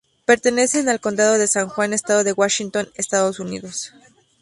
Pertenecen al condado de San Juan, estado de Washington, Estados Unidos.